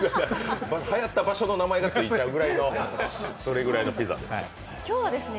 はやった場所の名前がついちゃうぐらいのそれぐらいのピザということですね。